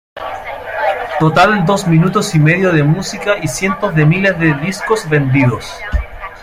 Total dos minutos y medio de música y cientos de miles de discos vendidos.